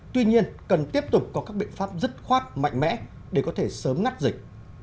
tuy nhiên cần tiếp tục có các biện pháp dứt khoát mạnh mẽ để có thể sớm ngắt dịch